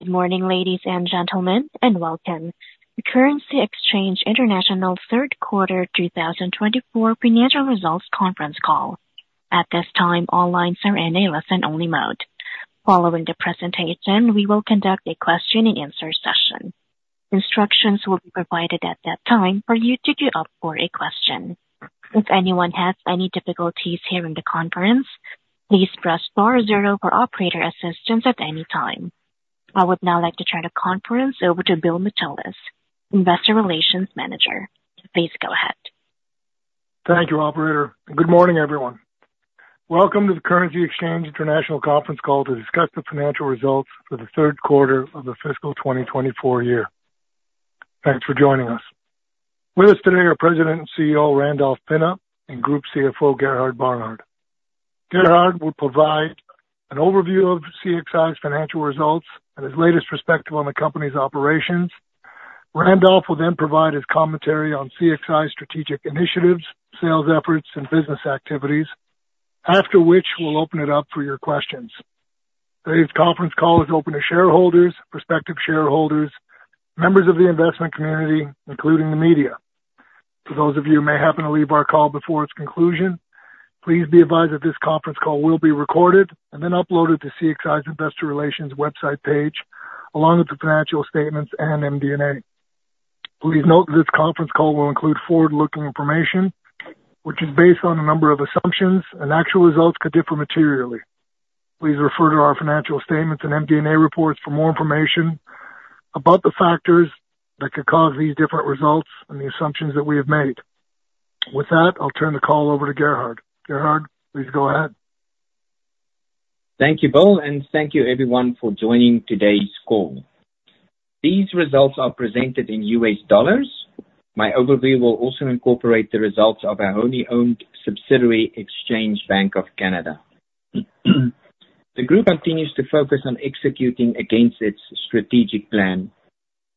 Good morning, ladies and gentlemen, and welcome to Currency Exchange International Q3 2024 financial results conference call. At this time, all lines are in a listen-only mode. Following the presentation, we will conduct a Q&A session. Instructions will be provided at that time for you to queue up for a question. If anyone has any difficulties hearing the conference, please press star zero for operator assistance at any time. I would now like to turn the conference over to Bill Mitoulas, Investor Relations Manager. Please go ahead. Thank you, Operator, and good morning, everyone. Welcome to the Currency Exchange International conference call to discuss the financial results for the Q3 of the fiscal 2024 year. Thanks for joining us. With us today are President and CEO, Randolph Pinna, and Group CFO, Gerhard Barnard. Gerhard will provide an overview of CXI's financial results and his latest perspective on the company's operations. Randolph will then provide his commentary on CXI's strategic initiatives, sales efforts, and business activities, after which we'll open it up for your questions. Today's conference call is open to shareholders, prospective shareholders, members of the investment community, including the media. For those of you who may happen to leave our call before its conclusion, please be advised that this conference call will be recorded and then uploaded to CXI's Investor Relations website page, along with the financial statements and MD&A. Please note that this conference call will include forward-looking information, which is based on a number of assumptions, and actual results could differ materially. Please refer to our financial statements and MD&A reports for more information about the factors that could cause these different results and the assumptions that we have made. With that, I'll turn the call over to Gerhard. Gerhard, please go ahead. Thank you, Bill, and thank you everyone for joining today's call. These results are presented in U.S. dollars. My overview will also incorporate the results of our wholly-owned subsidiary, Exchange Bank of Canada. The group continues to focus on executing against its strategic plan,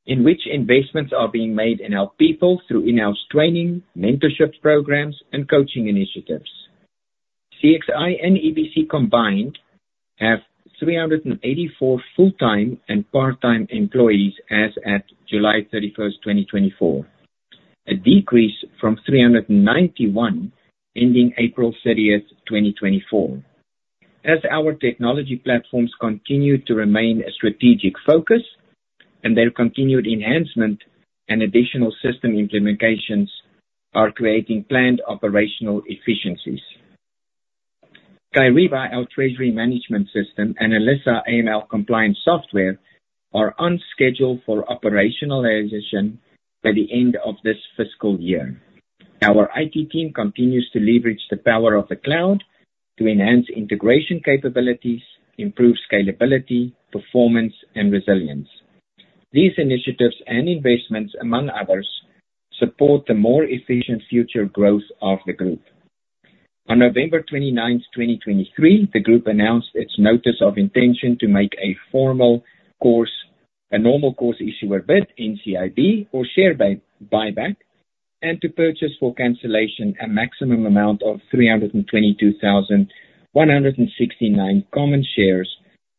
in which investments are being made in our people through in-house training, mentorship programs, and coaching initiatives. CXI and EBC combined have 384 full-time and part-time employees as at July 31, 2024, a decrease from 391, ending April 30, 2024. As our technology platforms continue to remain a strategic focus and their continued enhancement and additional system implementations are creating planned operational efficiencies. Kyriba, our treasury management system, and Alessa AML compliance software are on schedule for operationalization by the end of this fiscal year. Our IT team continues to leverage the power of the cloud to enhance integration capabilities, improve scalability, performance, and resilience. These initiatives and investments, among others, support the more efficient future growth of the group. On November 29th, 2023, the group announced its notice of intention to make a normal course issuer bid, NCIB, for share buyback and to purchase for cancellation a maximum amount of 322,169 common shares,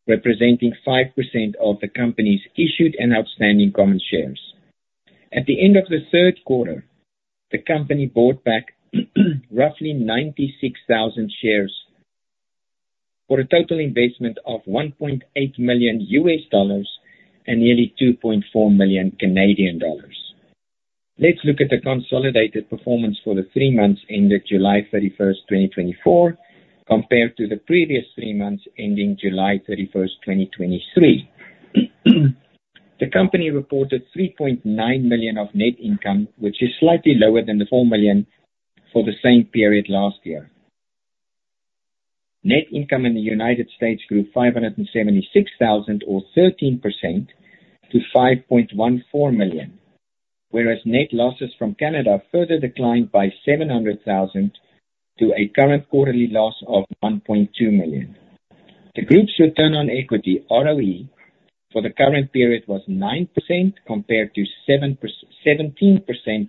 representing 5% of the company's issued and outstanding common shares. At the end of the Q3, the company bought back roughly 96,000 shares for a total investment of $1.8 million and nearly 2.4 million Canadian dollars. Let's look at the consolidated performance for the three months ended July thirty-first, 2024, compared to the previous three months, ending July 31st, 2023. The company reported $3.9 million of net income, which is slightly lower than the $4 million for the same period last year. Net income in the United States grew $576,000 or 13% to $5.14 million, whereas net losses from Canada further declined by $700,000 to a current quarterly loss of $1.2 million. The group's return on equity, ROE, for the current period was 9% compared to 17%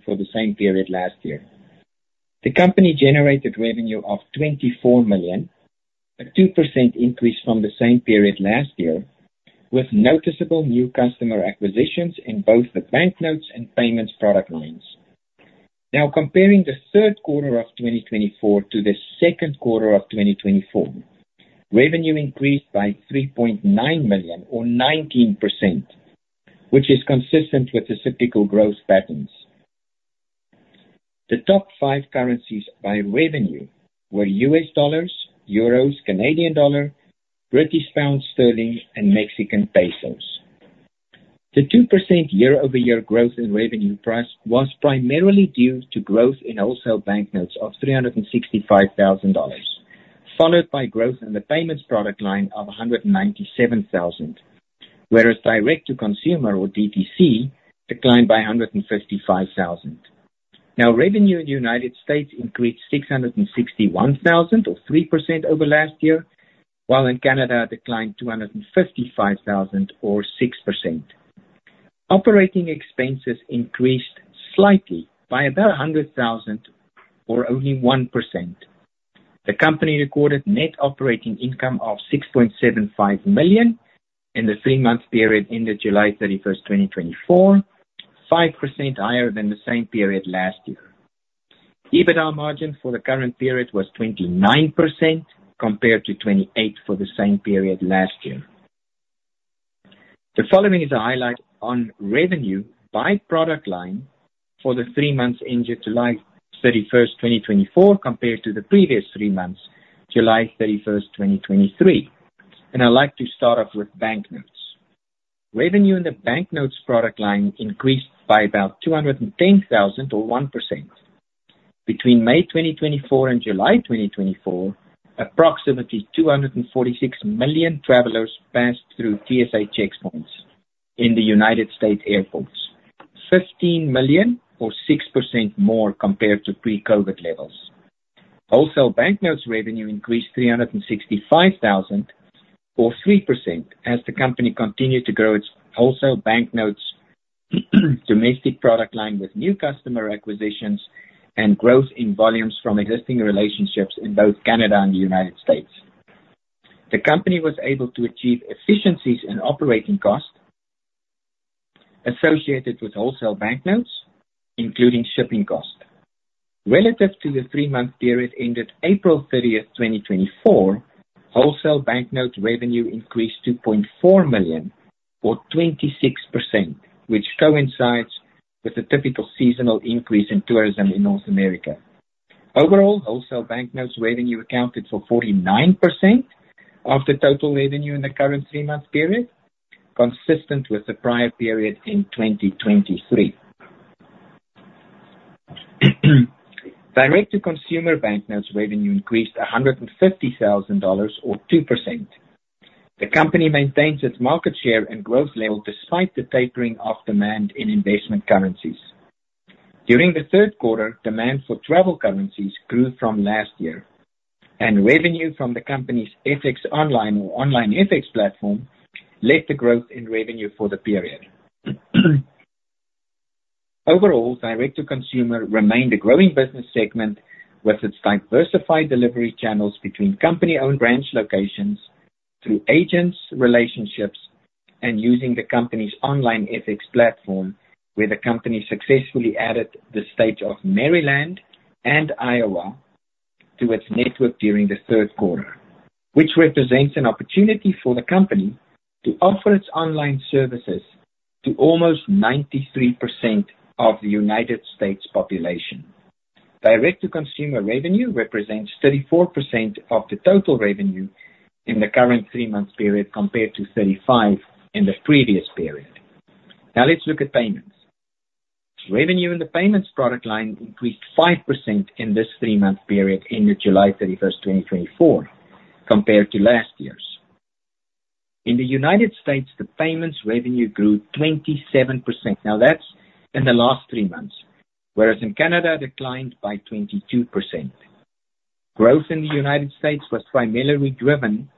for the same period last year. The company generated revenue of $24 million, a 2% increase from the same period last year, with noticeable new customer acquisitions in both the banknotes and payments product lines. Now, comparing the Q3 of 2024 to the Q2 of 2024, revenue increased by $3.9 million or 19%, which is consistent with the cyclical growth patterns. The top five currencies by revenue were U.S. dollars, Euros, Canadian dollar, British pound sterling, and Mexican pesos. The 2% year-over-year growth in revenue price was primarily due to growth in wholesale banknotes of $365,000, followed by growth in the payments product line of $197,000, whereas direct-to-consumer or DTC declined by $155,000. Now, revenue in the United States increased $661,000 or 3% over last year, while in Canada, it declined $255,000 or 6%. Operating expenses increased slightly by about $100,000 or only 1%. The company recorded net operating income of $6.75 million in the three-month period ended July 31, 2024, 5% higher than the same period last year. EBITDA margin for the current period was 29%, compared to 28% for the same period last year. The following is a highlight on revenue by product line for the three months ended July 31, 2024, compared to the previous three months, July 31, 2023. I'd like to start off with banknotes. Revenue in the banknotes product line increased by about $210,000 or 1%. Between May 2024 and July 2024, approximately 246 million travelers passed through TSA checkpoints in U.S. airports, 15 million or 6% more compared to pre-COVID levels. Wholesale banknotes revenue increased $365,000 or 3%, as the company continued to grow its wholesale banknotes domestic product line with new customer acquisitions and growth in volumes from existing relationships in both Canada and the United States. The company was able to achieve efficiencies in operating costs associated with wholesale banknotes, including shipping costs. Relative to the three-month period ended April 30, 2024, wholesale banknote revenue increased to $0.4 million or 26%, which coincides with the typical seasonal increase in tourism in North America. Overall, wholesale banknotes revenue accounted for 49% of the total revenue in the current three-month period, consistent with the prior period in 2023. Direct-to-consumer banknotes revenue increased $150,000 or 2%. The company maintains its market share and growth level despite the tapering of demand in investment currencies. During the Q3, demand for travel currencies grew from last year, and revenue from the company's FX Online or online FX platform led the growth in revenue for the period. Overall, direct to consumer remained a growing business segment with its diversified delivery channels between company-owned branch locations, through agents, relationships, and using the company's online FX platform, where the company successfully added the state of Maryland and Iowa to its network during the Q3, which represents an opportunity for the company to offer its online services to almost 93% of the United States population. Direct-to-consumer revenue represents 34% of the total revenue in the current three-month period, compared to 35% in the previous period. Now let's look at payments. Revenue in the payments product line increased 5% in this three-month period ended July 31, 2024, compared to last year's. In the United States, the payments revenue grew 27%. Now, that's in the last three months, whereas in Canada, it declined by 22%. Growth in the United States was primarily driven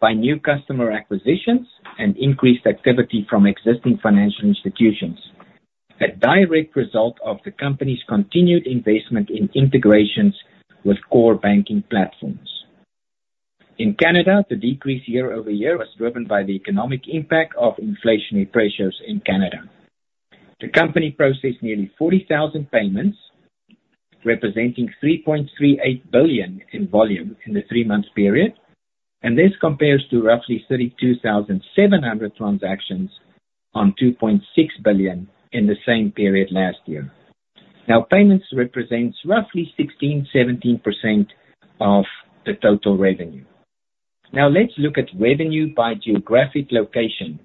by new customer acquisitions and increased activity from existing financial institutions, a direct result of the company's continued investment in integrations with core banking platforms. In Canada, the decrease year-over-year was driven by the economic impact of inflationary pressures in Canada. The company processed nearly 40,000 payments, representing $3.38 billion in volume in the three-month period, and this compares to roughly 32,700 transactions on $2.6 billion in the same period last year. Now, payments represents roughly 16% to 17% of the total revenue. Now, let's look at revenue by geographic location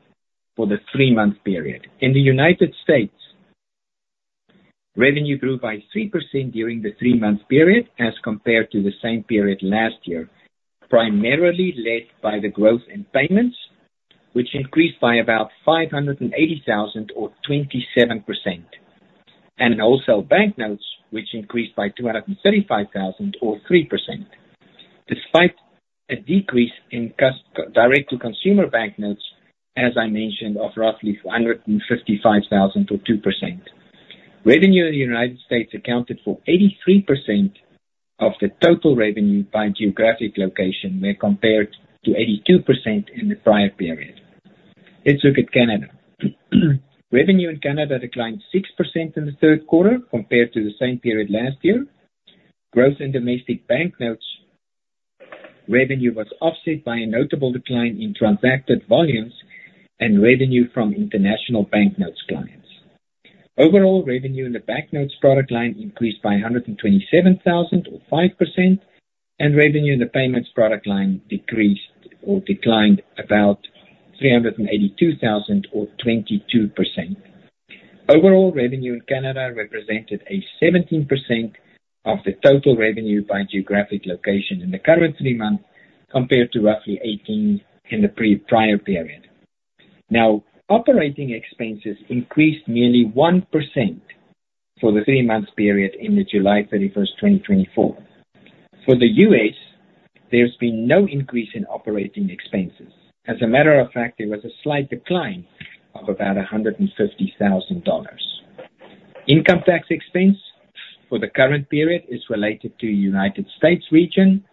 for the three-month period. In the United States, revenue grew by 3% during the three-month period as compared to the same period last year, primarily led by the growth in payments, which increased by about $580,000 or 27%, and wholesale banknotes, which increased by $235,000 or 3%, despite a decrease in direct-to-consumer banknotes, as I mentioned, of roughly $155,000 or 2%. Revenue in the United States accounted for 83% of the total revenue by geographic location, where compared to 82% in the prior period. Let's look at Canada. Revenue in Canada declined 6% in the Q3 compared to the same period last year. Growth in domestic banknotes revenue was offset by a notable decline in transacted volumes and revenue from international banknotes clients. Overall, revenue in the banknotes product line increased by $127,000 or 5%, and revenue in the payments product line decreased or declined about $382,000 or 22%. Overall, revenue in Canada represented 17% of the total revenue by geographic location in the current three months, compared to roughly 18% in the prior period. Now, operating expenses increased nearly 1% for the three-month period ended July 31, 2024. For the U.S., there has been no increase in operating expenses. As a matter of fact, there was a slight decline of about $150,000. Income tax expense for the current period is related to United States region.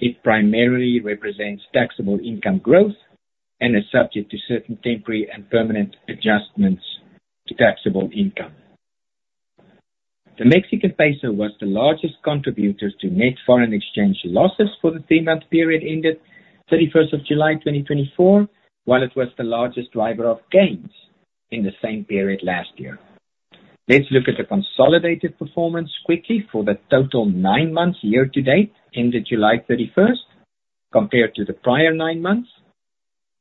It primarily represents taxable income growth and is subject to certain temporary and permanent adjustments to taxable income. The Mexican peso was the largest contributor to net foreign exchange losses for the three-month period ended 31st of July, 2024, while it was the largest driver of gains in the same period last year. Let's look at the consolidated performance quickly for the total nine months year-to-date ended July 31st, compared to the prior nine months.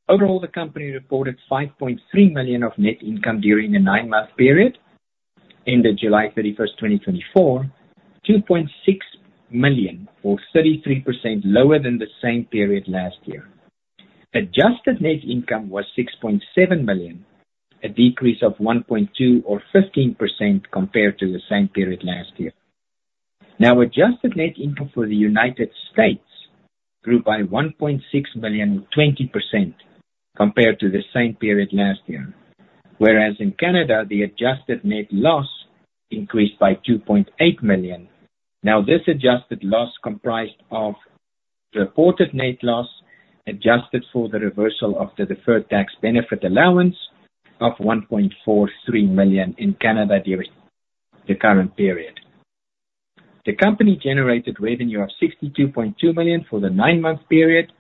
Overall, the company reported 5.3 million of net income during the nine-month period, ended July 31st, 2024, 2.6 million, or 33%, lower than the same period last year. Adjusted net income was 6.7 million, a decrease of 1.2 million or 15% compared to the same period last year. Now, adjusted net income for the United States grew by 1.6 million, 20%, compared to the same period last year. Whereas in Canada, the adjusted net loss increased by $2.8 million. Now, this adjusted loss comprised of the reported net loss, adjusted for the reversal of the deferred tax benefit allowance of $1.43 million in Canada during the current period. The company generated revenue of $62.2 million for the nine-month period,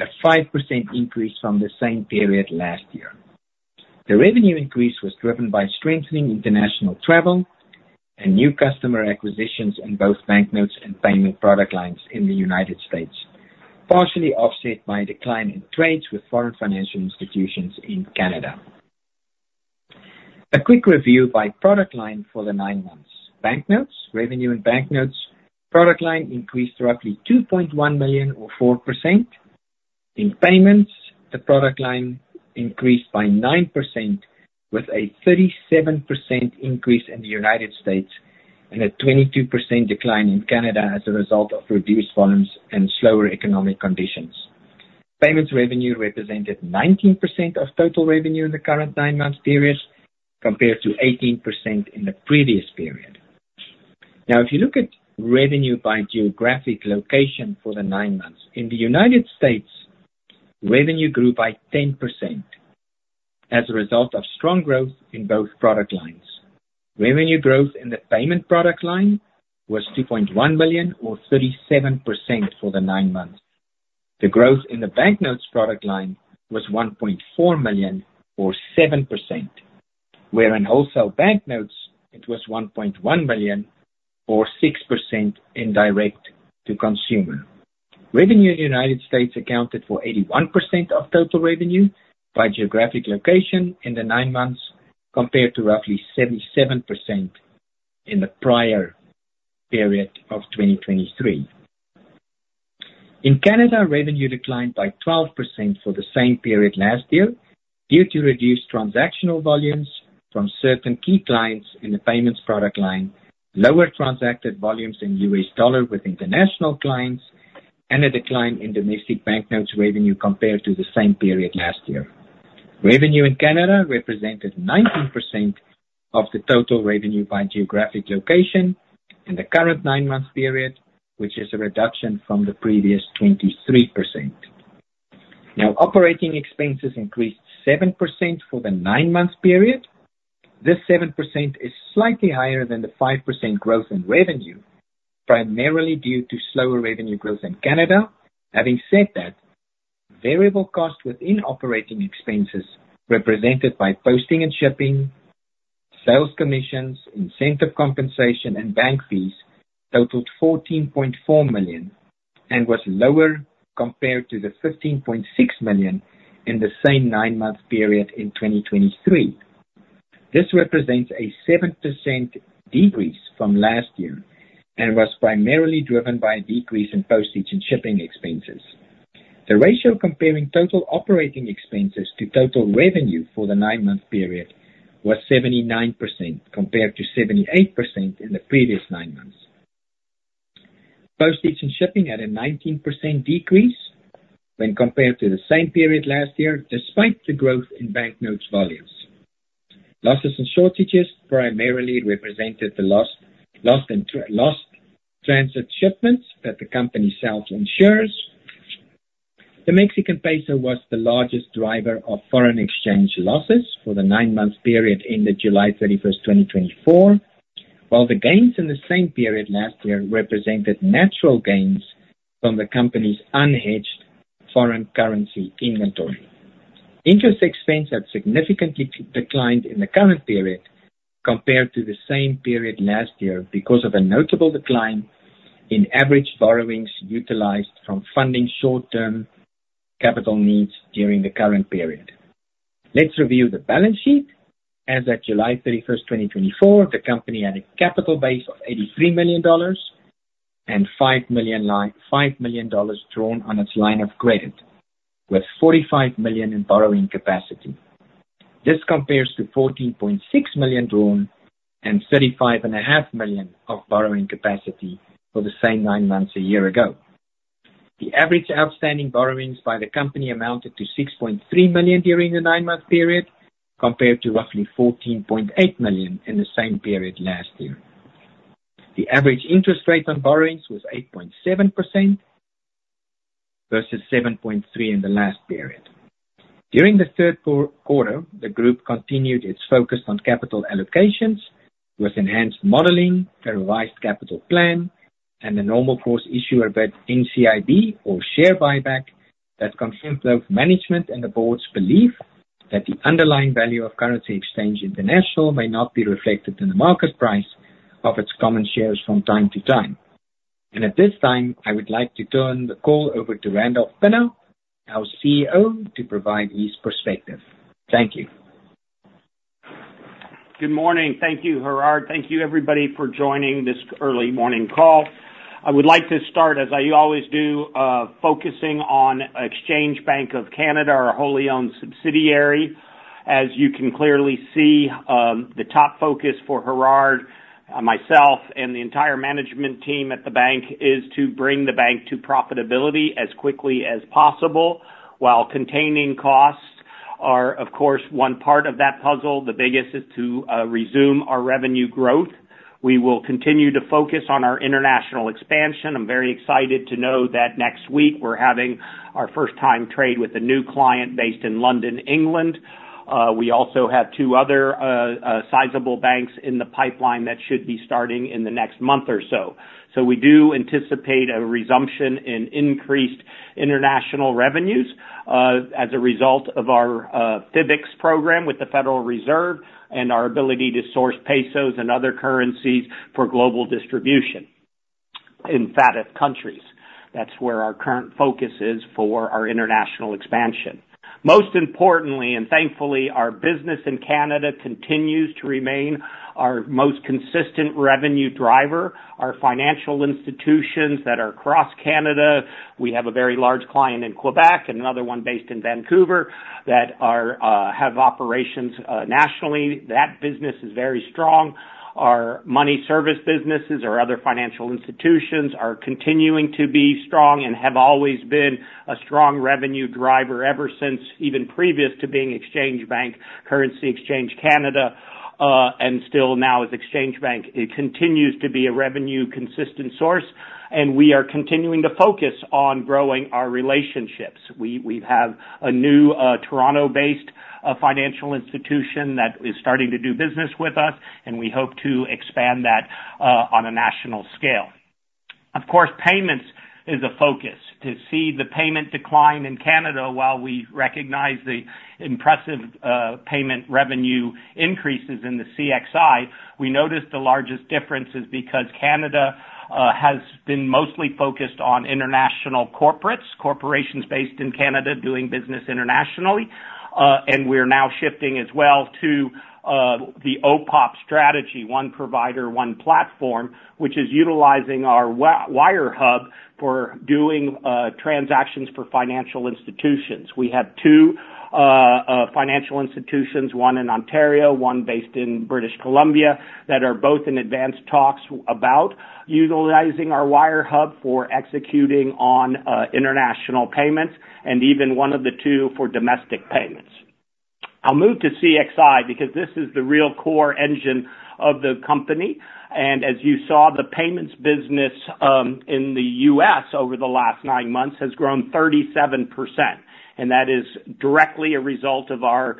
a 5% increase from the same period last year. The revenue increase was driven by strengthening international travel and new customer acquisitions in both banknotes and payment product lines in the United States, partially offset by a decline in trades with foreign financial institutions in Canada. A quick review by product line for the nine months. Banknotes, revenue and banknotes product line increased roughly $2.1 million or 4%. In payments, the product line increased by 9%, with a 37% increase in the United States and a 22% decline in Canada as a result of reduced volumes and slower economic conditions. Payments revenue represented 19% of total revenue in the current nine-month period, compared to 18% in the previous period. Now, if you look at revenue by geographic location for the nine months, in the United States, revenue grew by 10% as a result of strong growth in both product lines. Revenue growth in the payment product line was $2.1 million, or 37% for the nine months. The growth in the banknotes product line was $1.4 million, or 7%, wherein wholesale banknotes it was $1.1 million, or 6% in direct to consumer. Revenue in the United States accounted for 81% of total revenue by geographic location in the nine months, compared to roughly 77% in the prior period of 2023. In Canada, revenue declined by 12% for the same period last year, due to reduced transactional volumes from certain key clients in the payments product line, lower transacted volumes in U.S. dollar with international clients, and a decline in domestic banknotes revenue compared to the same period last year. Revenue in Canada represented 19% of the total revenue by geographic location in the current nine-month period, which is a reduction from the previous 23%. Now, operating expenses increased 7% for the nine-month period. This 7% is slightly higher than the 5% growth in revenue, primarily due to slower revenue growth in Canada. Having said that, variable costs within operating expenses, represented by postage and shipping, sales commissions, incentive compensation, and bank fees totaled $14.4 million and was lower compared to the $15.6 million in the same nine-month period in 2023. This represents a 7% decrease from last year and was primarily driven by a decrease in postage and shipping expenses. The ratio comparing total operating expenses to total revenue for the nine-month period was 79%, compared to 78% in the previous nine months. Postage and shipping had a 19% decrease when compared to the same period last year, despite the growth in banknotes volumes. Losses and shortages primarily represented the loss, lost in transit shipments that the company self-insures. The Mexican peso was the largest driver of foreign exchange losses for the nine-month period ended July 31st, 2024, while the gains in the same period last year represented natural gains from the company's unhedged foreign currency inventory. Interest expense had significantly declined in the current period compared to the same period last year, because of a notable decline in average borrowings utilized from funding short-term capital needs during the current period. Let's review the balance sheet. As at July 31st, 2024, the company had a capital base of $83 million and $5 million drawn on its line of credit, with $45 million in borrowing capacity. This compares to $14.6 million drawn and $35.5 million of borrowing capacity for the same nine months a year ago. The average outstanding borrowings by the company amounted to $6.3 million during the nine-month period, compared to roughly $14.8 million in the same period last year. The average interest rate on borrowings was 8.7% versus 7.3% in the last period. During the Q3, the group continued its focus on capital allocations with enhanced modeling, a revised capital plan, and a normal course issuer bid, or NCIB, or share buyback, that contemplate management and the board's belief that the underlying value of Currency Exchange International may not be reflected in the market price of its common shares from time to time. At this time, I would like to turn the call over to Randolph Pinna, our CEO, to provide his perspective. Thank you. Good morning. Thank you, Gerhard. Thank you, everybody, for joining this early morning call. I would like to start, as I always do, focusing on Exchange Bank of Canada, our wholly owned subsidiary. As you can clearly see, the top focus for Gerhard, myself, and the entire management team at the bank, is to bring the bank to profitability as quickly as possible, while containing costs are, of course, one part of that puzzle. The biggest is to resume our revenue growth. We will continue to focus on our international expansion. I'm very excited to know that next week we're having our first-time trade with a new client based in London, England. We also have two other sizable banks in the pipeline that should be starting in the next month or so. So we do anticipate a resumption in increased international revenues, as a result of our, CEIFX program with the Federal Reserve and our ability to source pesos and other currencies for global distribution in FATF countries. That's where our current focus is for our international expansion. Most importantly, and thankfully, our business in Canada continues to remain our most consistent revenue driver. Our financial institutions that are across Canada, we have a very large client in Quebec and another one based in Vancouver that are have operations nationally. That business is very strong. Our money service businesses or other financial institutions are continuing to be strong and have always been a strong revenue driver ever since, even previous to being Exchange Bank, Currency Exchange Canada, and still now as Exchange Bank. It continues to be a revenue-consistent source, and we are continuing to focus on growing our relationships. We have a new Toronto-based financial institution that is starting to do business with us, and we hope to expand that on a national scale. Of course, payments is a focus. To see the payment decline in Canada, while we recognize the impressive payment revenue increases in the CXI, we noticed the largest differences because Canada has been mostly focused on international corporates, corporations based in Canada doing business internationally, and we're now shifting as well to the OPOP strategy, one provider, one platform, which is utilizing our Wire Hub for doing transactions for financial institutions. We have two financial institutions, one in Ontario, one based in British Columbia, that are both in advanced talks about utilizing our Wire Hub for executing on international payments, and even one of the two for domestic payments. I'll move to CXI because this is the real core engine of the company. As you saw, the payments business in the U.S. over the last nine months has grown 37%, and that is directly a result of our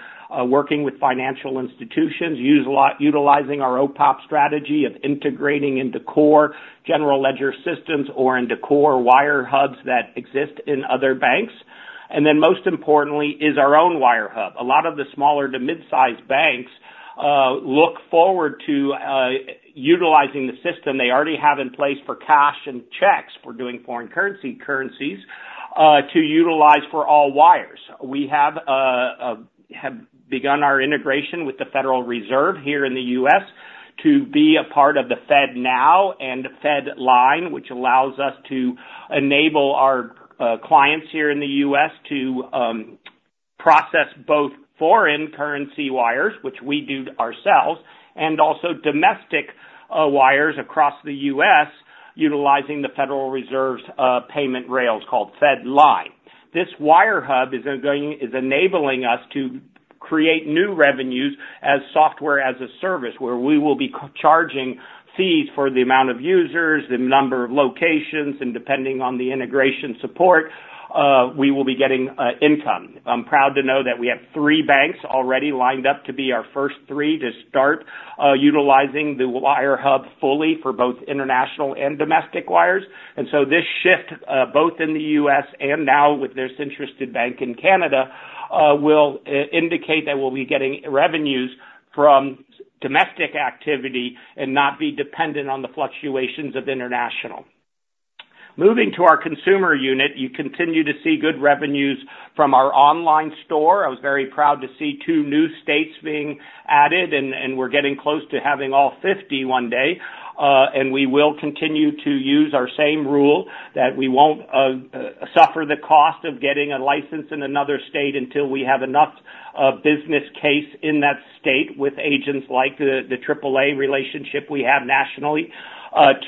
working with financial institutions, utilizing our OPOP strategy of integrating into core general ledger systems or into core wire hubs that exist in other banks. Most importantly is our own Wire Hub. A lot of the smaller to mid-sized banks look forward to utilizing the system they already have in place for cash and checks for doing foreign currency currencies to utilize for all wires. We have begun our integration with the Federal Reserve here in the U.S. to be a part of the FedNow and the FedLine, which allows us to enable our clients here in the U.S. to process both foreign currency wires, which we do ourselves, and also domestic wires across the U.S., utilizing the Federal Reserve's payment rails called FedLine. This Wire Hub is enabling us to create new revenues as software as a service, where we will be charging fees for the amount of users, the number of locations, and depending on the integration support, we will be getting income. I'm proud to know that we have three banks already lined up to be our first three to start utilizing the Wire Hub fully for both international and domestic wires. And so this shift, both in the U.S. and now with this interested bank in Canada, will indicate that we'll be getting revenues from domestic activity and not be dependent on the fluctuations of international. Moving to our consumer unit, you continue to see good revenues from our online store. I was very proud to see two new states being added, and we're getting close to having all fifty one day, and we will continue to use our same rule that we won't suffer the cost of getting a license in another state until we have enough... a business case in that state with agents like the AAA relationship we have nationally,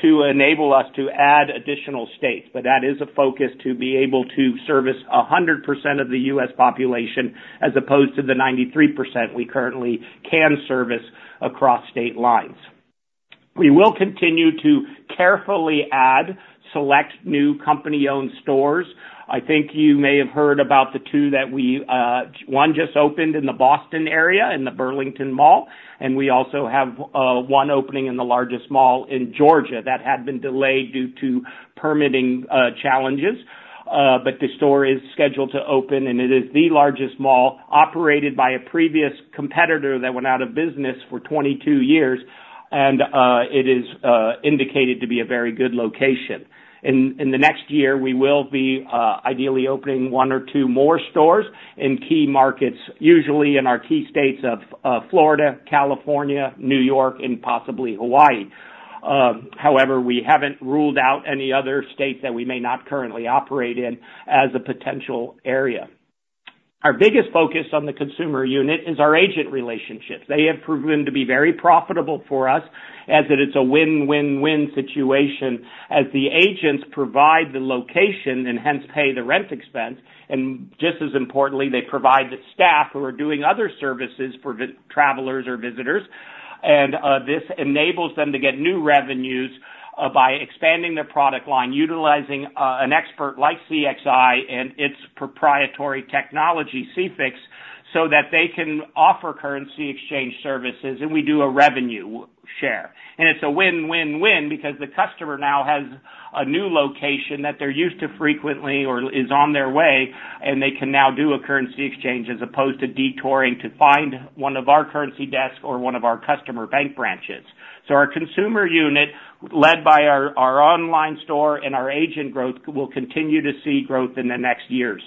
to enable us to add additional states. But that is a focus to be able to service 100% of the U.S. population, as opposed to the 93% we currently can service across state lines. We will continue to carefully add select new company-owned stores. I think you may have heard about the two that we, one just opened in the Boston area, in the Burlington Mall, and we also have, one opening in the largest mall in Georgia that had been delayed due to permitting challenges. But the store is scheduled to open, and it is the largest mall operated by a previous competitor that went out of business for 22 years, and it is indicated to be a very good location. In the next year, we will be ideally opening one or two more stores in key markets, usually in our key states of Florida, California, New York, and possibly Hawaii. However, we haven't ruled out any other states that we may not currently operate in as a potential area. Our biggest focus on the consumer unit is our agent relationships. They have proven to be very profitable for us as that it's a win-win-win situation as the agents provide the location and hence pay the rent expense. And just as importantly, they provide the staff who are doing other services for travelers or visitors. And this enables them to get new revenues by expanding their product line, utilizing an expert like CXI and its proprietary technology, CEIFX, so that they can offer currency exchange services, and we do a revenue share. It's a win-win-win because the customer now has a new location that they're used to frequently or is on their way, and they can now do a currency exchange, as opposed to detouring to find one of our currency desks or one of our customer bank branches. So our consumer unit, led by our online store and our agent growth, will continue to see growth in the next years.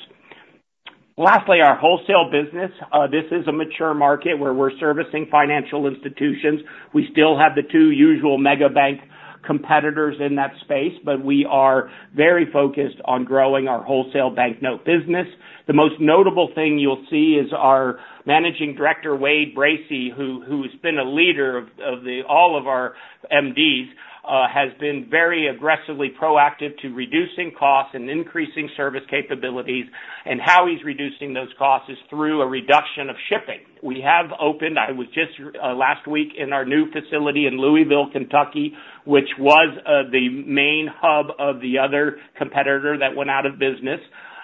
Lastly, our wholesale business. This is a mature market where we're servicing financial institutions. We still have the two usual mega bank competitors in that space, but we are very focused on growing our wholesale bank note business. The most notable thing you'll see is our Managing Director, Wade Bracy, who has been a leader of all of our MDs, has been very aggressively proactive to reducing costs and increasing service capabilities. How he's reducing those costs is through a reduction of shipping. We have opened. I was just last week in our new facility in Louisville, Kentucky, which was the main hub of the other competitor that went out of business.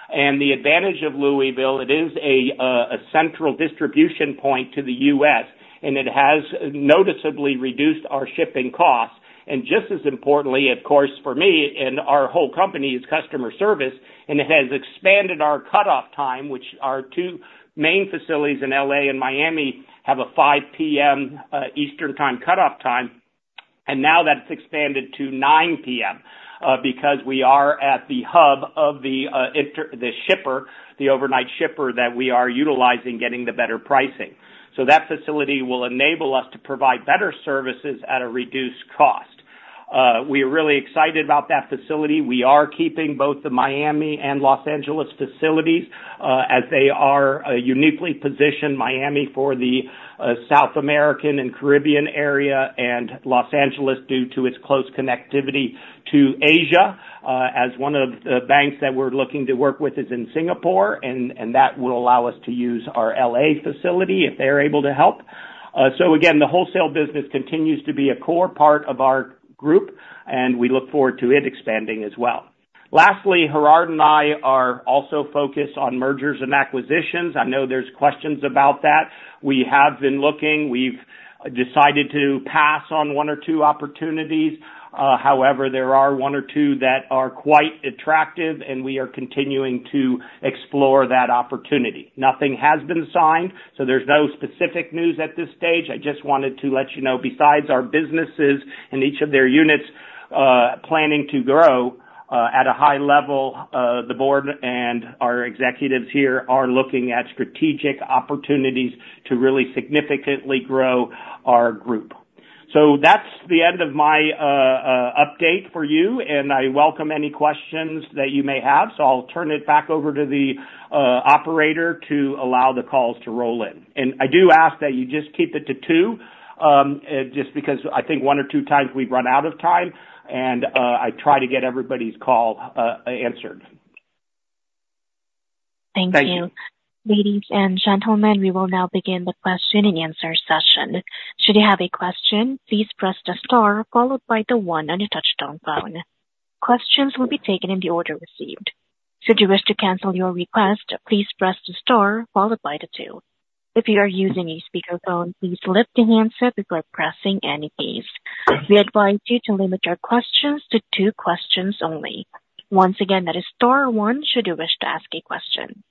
The advantage of Louisville, it is a central distribution point to the U.S., and it has noticeably reduced our shipping costs. Just as importantly, of course, for me and our whole company, is customer service, and it has expanded our cutoff time, which our two main facilities in LA and Miami have a 5:00 P.M. Eastern Time cutoff time. Now that's expanded to 9:00 P.M. because we are at the hub of the shipper, the overnight shipper, that we are utilizing, getting the better pricing. That facility will enable us to provide better services at a reduced cost. We are really excited about that facility. We are keeping both the Miami and Los Angeles facilities, as they are, uniquely positioned, Miami for the South American and Caribbean area, and Los Angeles, due to its close connectivity to Asia, as one of the banks that we're looking to work with is in Singapore, and that will allow us to use our LA facility if they're able to help. So again, the wholesale business continues to be a core part of our group, and we look forward to it expanding as well. Lastly, Gerhard and I are also focused on mergers and acquisitions. I know there's questions about that. We have been looking. We have decided to pass on one or two opportunities. However, there are one or two that are quite attractive, and we are continuing to explore that opportunity. Nothing has been signed, so there's no specific news at this stage. I just wanted to let you know, besides our businesses and each of their units, planning to grow, at a high level, the board and our executives here are looking at strategic opportunities to really significantly grow our group. So that's the end of my update for you, and I welcome any questions that you may have. So I'll turn it back over to the operator to allow the calls to roll in. And I do ask that you just keep it to two, just because I think one or two times we've run out of time, and I try to get everybody's call answered. Thank you. Thank you. Ladies and gentlemen, we will now begin the Q&A session. Should you have a question, please press the star followed by the one on your touchtone phone. Questions will be taken in the order received. Should you wish to cancel your request, please press the star followed by the two. If you are using a speakerphone, please lift the handset before pressing any keys. We advise you to limit your questions to two questions only. Once again, that is star one should you wish to ask a question.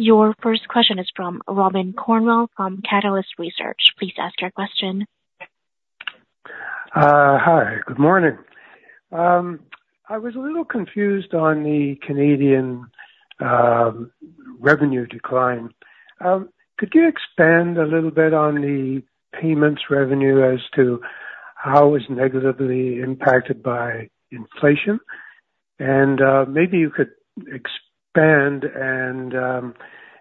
Your first question is from Robin Cornwell from Catalyst Research. Please ask your question. Hi, good morning. I was a little confused on the Canadian revenue decline. Could you expand a little bit on the payments revenue as to how it's negatively impacted by inflation? And maybe you could expand and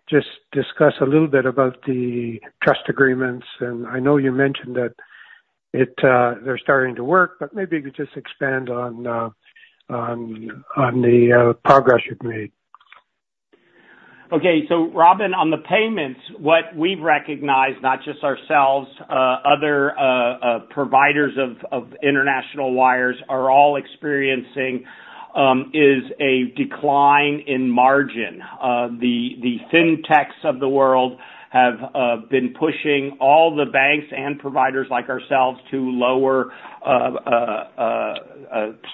just discuss a little bit about the trust agreements. And I know you mentioned that it, they're starting to work, but maybe you could just expand on the progress you've made. Okay. So Robin, on the payments, what we've recognized, not just ourselves, other providers of international wires are all experiencing, is a decline in margin. The Fintechs of the world have been pushing all the banks and providers like ourselves to lower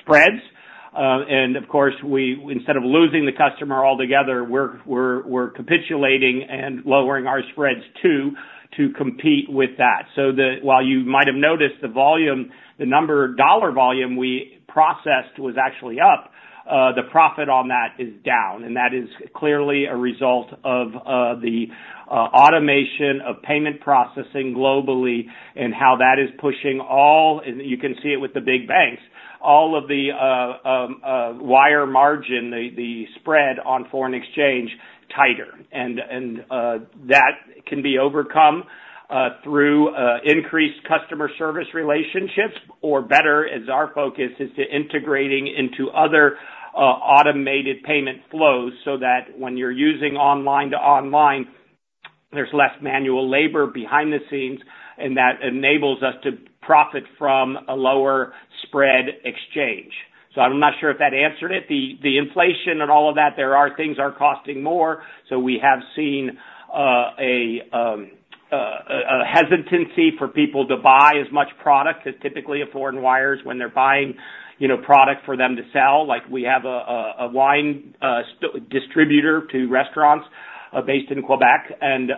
spreads. And of course, we instead of losing the customer altogether, we're capitulating and lowering our spreads too, to compete with that. So while you might have noticed the volume, the number of dollar volume we processed was actually up, the profit on that is down, and that is clearly a result of the automation of payment processing globally and how that is pushing all, and you can see it with the big banks, all of the wire margin, the spread on foreign exchange tighter. That can be overcome through increased customer service relationships, or better, as our focus is to integrating into other automated payment flows, so that when you're using online to online, there's less manual labor behind the scenes, and that enables us to profit from a lower spread exchange. So I'm not sure if that answered it. The inflation and all of that, there are things are costing more, so we have seen a hesitancy for people to buy as much product as typically of foreign wires when they're buying, you know, product for them to sell. Like we have a wine distributor to restaurants based in Quebec, and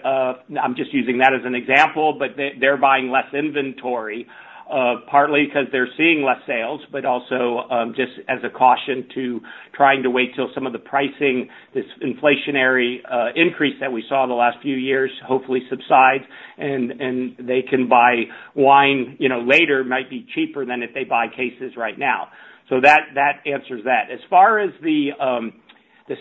I'm just using that as an example, but they, they're buying less inventory partly 'cause they're seeing less sales, but also just as a caution to trying to wait till some of the pricing, this inflationary increase that we saw in the last few years, hopefully subside, and they can buy wine, you know, later, might be cheaper than if they buy cases right now. So that answers that. As far as the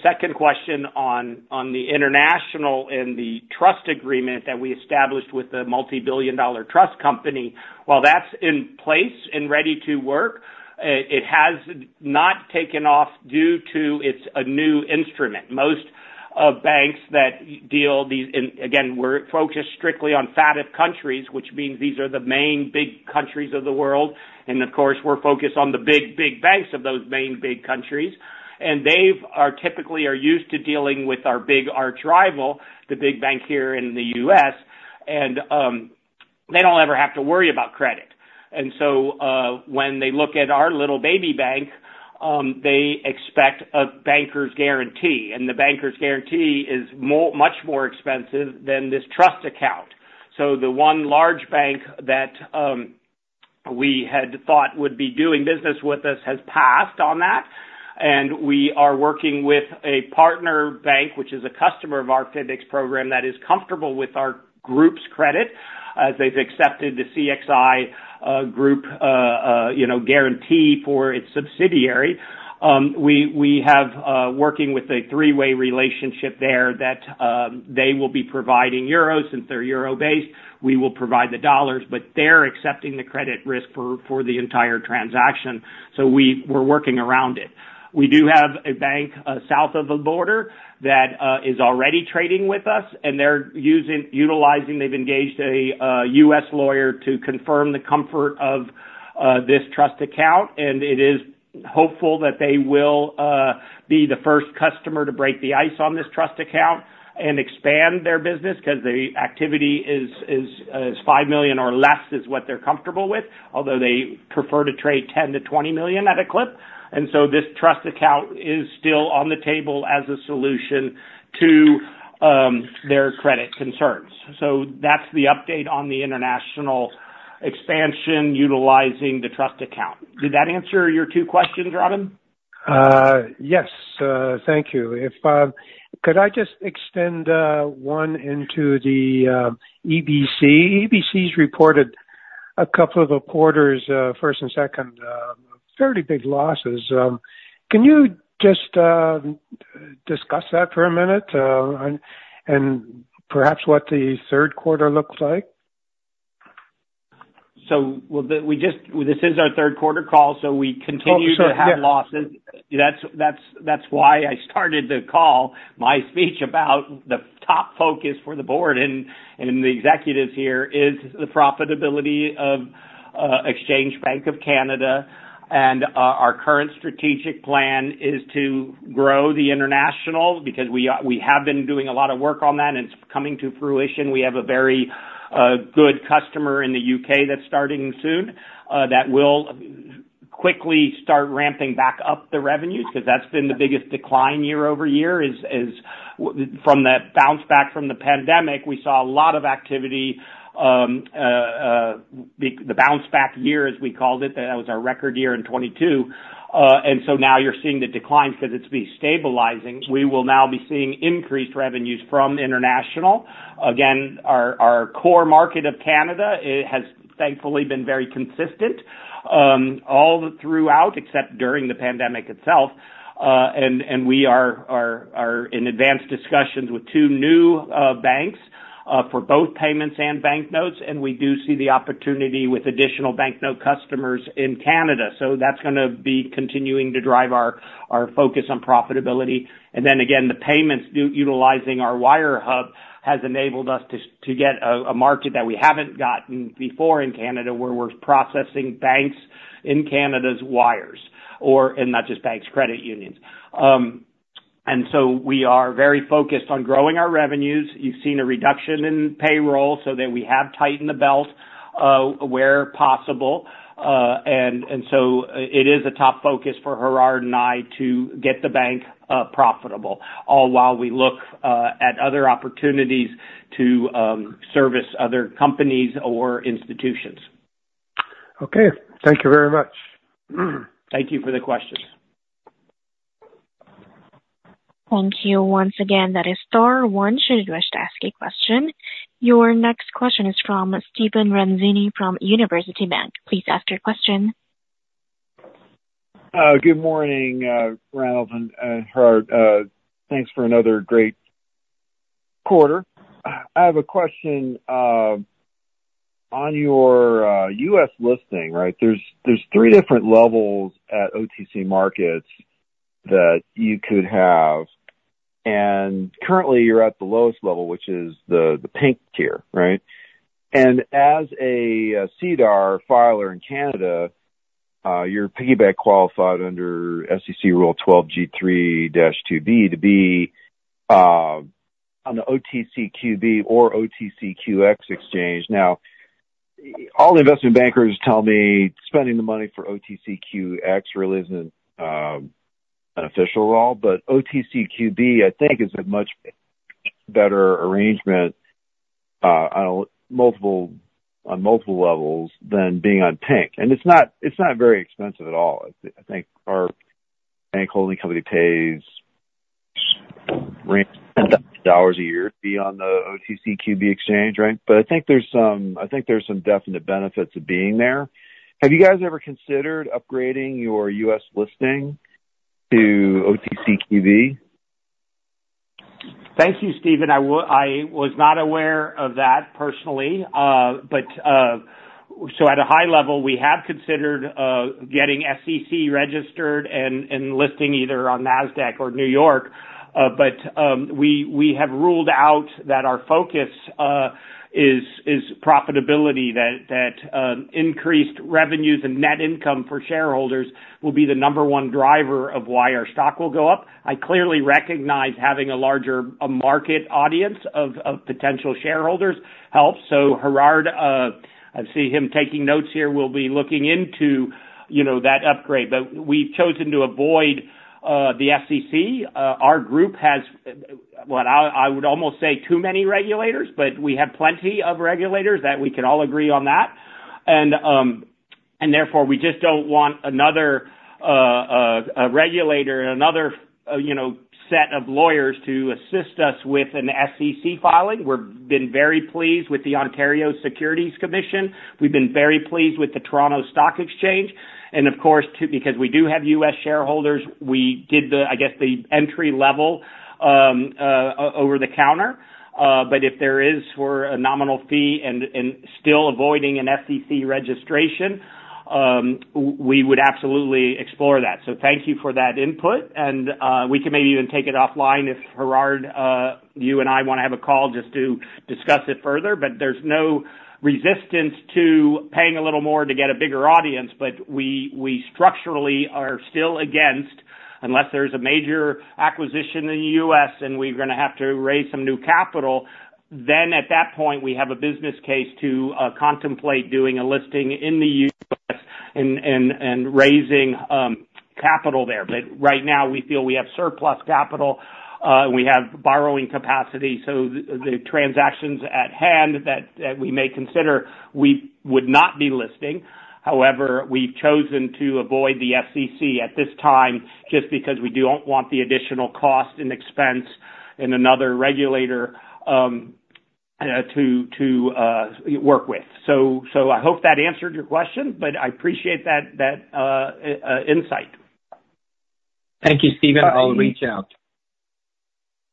second question on the international and the trust agreement that we established with the multi-billion dollar trust company, while that's in place and ready to work, it has not taken off due to it's a new instrument. Most of banks that deal these... and again, we're focused strictly on FATF countries, which means these are the main big countries of the world. And of course, we're focused on the big, big banks of those main big countries. And they are typically used to dealing with our big archrival, the big bank here in the U.S., and they don't ever have to worry about credit. And so, when they look at our little baby bank, they expect a banker's guarantee, and the banker's guarantee is more, much more expensive than this trust account. So the one large bank that we had thought would be doing business with us has passed on that, and we are working with a partner bank, which is a customer of our FinTech program, that is comfortable with our group's credit, as they've accepted the CXI group, you know, guarantee for its subsidiary. We have working with a three-way relationship there that they will be providing euros, since they're euro-based, we will provide the dollars, but they're accepting the credit risk for the entire transaction, so we're working around it. We do have a bank south of the border that is already trading with us, and they're utilizing. They've engaged a U.S. lawyer to confirm the comfort of this trust account, and it is hopeful that they will be the first customer to break the ice on this trust account and expand their business, 'cause the activity is $5 million or less, is what they're comfortable with, although they prefer to trade $10 million to 20 million at a clip, and so this trust account is still on the table as a solution to their credit concerns, so that's the update on the international expansion utilizing the trust account. Did that answer your two questions, Robin? Yes, thank you. Could I just extend one into the EBC? EBC's reported a couple of quarters, first and second, fairly big losses. Can you just discuss that for a minute, and perhaps what the Q3 looks like? This is our Q3 call, so we continue- Oh, sure, yeah. to have losses. That's, that's, that's why I started the call, my speech about the top focus for the board and the executives here, is the profitability of Exchange Bank of Canada. And our current strategic plan is to grow the international, because we are, we have been doing a lot of work on that, and it's coming to fruition. We have a very good customer in the U.K. that's starting soon, that will quickly start ramping back up the revenues, because that's been the biggest decline year-over-year. From that bounce back from the pandemic, we saw a lot of activity, the bounce back year, as we called it, that was our record year in 2022. And so now you're seeing the decline because it's been stabilizing. We will now be seeing increased revenues from international. Again, our core market of Canada, it has thankfully been very consistent all throughout, except during the pandemic itself, and we are in advanced discussions with two new banks for both payments and bank notes, and we do see the opportunity with additional bank note customers in Canada, so that's gonna be continuing to drive our focus on profitability, and then again, the payments utilizing our Wire Hub has enabled us to get a market that we haven't gotten before in Canada, where we're processing banks in Canada's wires or, and not just banks, credit unions, and so we are very focused on growing our revenues. You've seen a reduction in payroll so that we have tightened the belt where possible. It is a top focus for Gerhard and I to get the bank profitable, all while we look at other opportunities to service other companies or institutions. Okay, thank you very much. Thank you for the question. Thank you. Once again, that is star one, should you wish to ask a question. Your next question is from Stephen Ranzini, from University Bank. Please ask your question. Good morning, Randolph and Gerhard. Thanks for another great quarter. I have a question on your U.S. listing, right? There's three different levels at OTC Markets that you could have, and currently you're at the lowest level, which is the pink tier, right? And as a SEDAR filer in Canada, you're piggyback qualified under SEC rule 12G3-2B, to be on the OTCQB or OTCQX exchange. Now, all the investment bankers tell me spending the money for OTCQX really isn't an official role, but OTCQB, I think, is a much better arrangement on multiple levels than being on pink. And it's not very expensive at all. I think our bank holding company pays dollars a year to be on the OTCQB exchange, right? But I think there's some definite benefits of being there. Have you guys ever considered upgrading your U.S. listing to OTCQB? Thank you, Steven. I was not aware of that personally. But so at a high level, we have considered getting SEC registered and listing either on Nasdaq or New York. But we have ruled out that our focus is profitability, that increased revenues and net income for shareholders will be the number one driver of why our stock will go up. I clearly recognize having a larger market audience of potential shareholders helps. So Gerhard, I see him taking notes here, will be looking into, you know, that upgrade. But we've chosen to avoid the SEC. Our group has, what I would almost say, too many regulators, but we have plenty of regulators that we can all agree on that. Therefore, we just don't want another regulator and another, you know, set of lawyers to assist us with an SEC filing. We've been very pleased with the Ontario Securities Commission. We've been very pleased with the Toronto Stock Exchange, and of course, because we do have U.S. shareholders, we did, I guess, the entry level over the counter. But if there is for a nominal fee and still avoiding an SEC registration, we would absolutely explore that. Thank you for that input, and we can maybe even take it offline if, Gerhard, you and I want to have a call just to discuss it further. There's no resistance to paying a little more to get a bigger audience. We structurally are still against Unless there's a major acquisition in the U.S., and we're gonna have to raise some new capital, then at that point, we have a business case to contemplate doing a listing in the U.S. and raising capital there. But right now we feel we have surplus capital. We have borrowing capacity, so the transactions at hand that we may consider, we would not be listing. However, we've chosen to avoid the SEC at this time, just because we don't want the additional cost and expense and another regulator to work with. So I hope that answered your question, but I appreciate that insight. Thank you, Stephen. I'll reach out.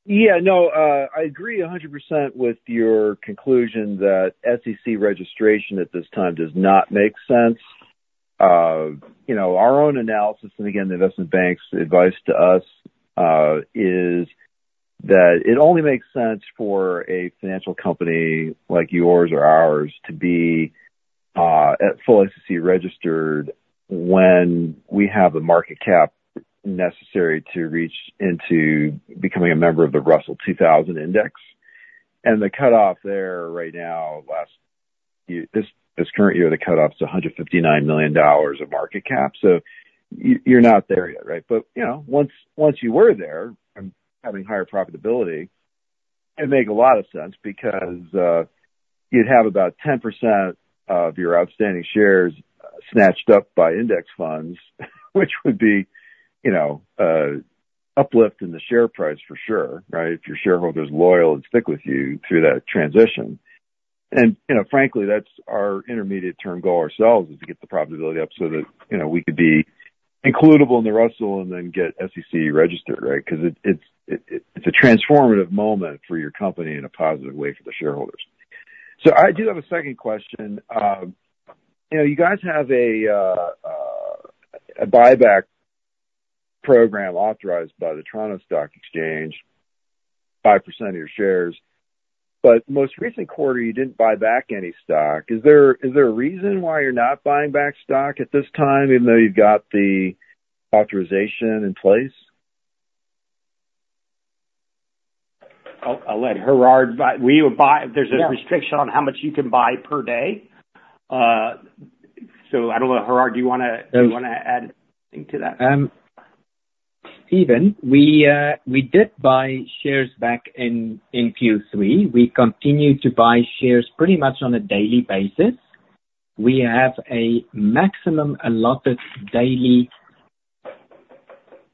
Yeah, no, I agree 100% with your conclusion that SEC registration at this time does not make sense. You know, our own analysis, and again, the investment bank's advice to us, is that it only makes sense for a financial company like yours or ours, to be at full SEC registered, when we have the market cap necessary to reach into becoming a member of the Russell 2000 index. The cutoff there right now, last year, this current year, the cutoff is $159 million of market cap. So you're not there yet, right? But, you know, once you were there, and having higher profitability, it'd make a lot of sense because you'd have about 10% of your outstanding shares snatched up by index funds, which would be, you know, uplift in the share price for sure, right? If your shareholders loyal and stick with you through that transition. And, you know, frankly, that's our intermediate term goal ourselves, is to get the profitability up so that, you know, we could be includable in the Russell and then get SEC registered, right? Because it's a transformative moment for your company in a positive way for the shareholders. So I do have a second question. You know, you guys have a buyback program authorized by the Toronto Stock Exchange, 5% of your shares, but most recent quarter, you didn't buy back any stock. Is there a reason why you're not buying back stock at this time, even though you've got the authorization in place? I'll let Gerhard buy. We will buy. There's a restriction on how much you can buy per day. So I don't know. Gerhard, do you wanna add anything to that? Steven, we did buy shares back in Q3. We continue to buy shares pretty much on a daily basis. We have a maximum allotted daily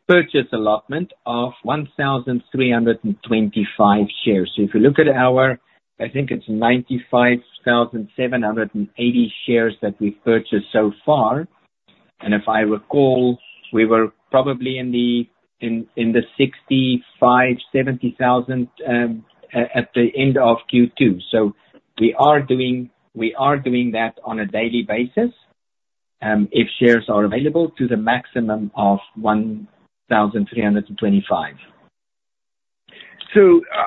purchase allotment of 1,325 shares. So if you look at our, I think it's 95,780 shares that we've purchased so far, and if I recall, we were probably in the 65,000 to 70,000 at the end of Q2. So we are doing that on a daily basis if shares are available, to the maximum of 1,325. So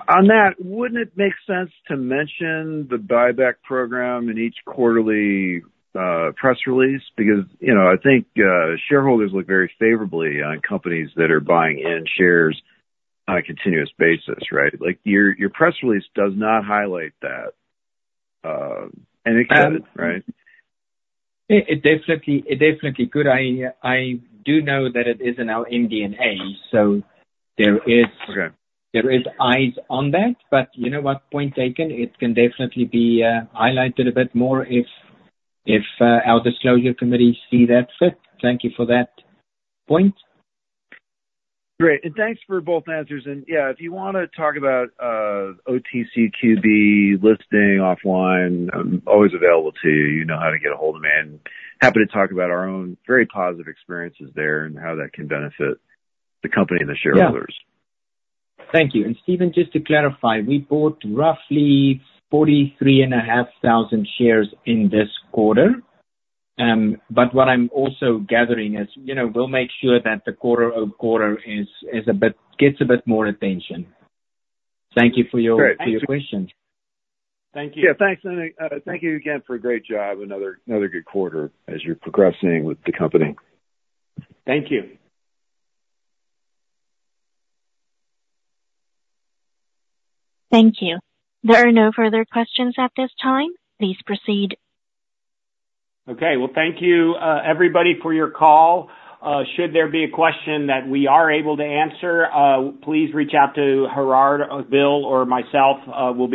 on that, wouldn't it make sense to mention the buyback program in each quarterly press release? Because, you know, I think shareholders look very favorably on companies that are buying in shares on a continuous basis, right? Like, your press release does not highlight that, and it should, right? It definitely could. I do know that it is in our NDA, so there is Okay. There is eyes on that, but you know what? Point taken. It can definitely be highlighted a bit more if our disclosure committee see that fit. Thank you for that point. Great. And thanks for both answers. And yeah, if you wanna talk about OTCQB listing offline, I'm always available to you. You know how to get a hold of me. I'm happy to talk about our own very positive experiences there and how that can benefit the company and the shareholders. Yeah. Thank you. And Steven, just to clarify, we bought roughly 43,500 shares in this quarter. But what I'm also gathering is, you know, we'll make sure that the quarter over quarter is a bit, gets a bit more attention. Thank you for your Great. for your questions. Thank you. Yeah, thanks, and thank you again for a great job. Another good quarter as you're progressing with the company. Thank you. Thank you. There are no further questions at this time. Please proceed. Okay. Well, thank you, everybody for your call. Should there be a question that we are able to answer, please reach out to Gerhard or Bill or myself. We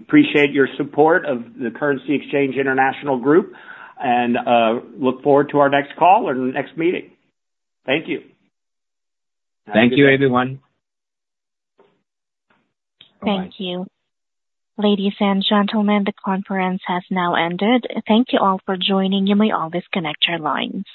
appreciate your support of the Currency Exchange International Group, and look forward to our next call or the next meeting. Thank you. Thank you, everyone. Thank you. Ladies and gentlemen, the conference has now ended. Thank you all for joining. You may all disconnect your lines.